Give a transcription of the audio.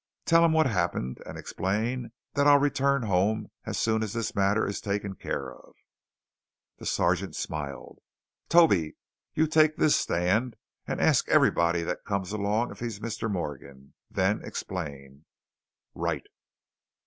Tell him what happened and explain that I'll return home as soon as this matter is taken care of." The sergeant smiled. "Toby, you take this stand and ask everybody that comes along if he's Mr. Morgan. Then explain." "Right."